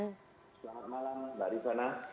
selamat malam mbak rifana